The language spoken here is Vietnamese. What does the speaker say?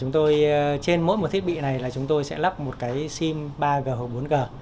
trên mỗi một thiết bị này chúng tôi sẽ lắp một sim ba g hoặc bốn g